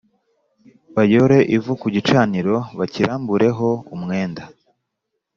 Bayore ivu ku gicaniro bakirambureho umwenda